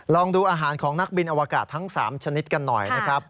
ลองดูอาหารของนักบินอวกาศทั้ง๓ชนิดกันหน่อยนะครับ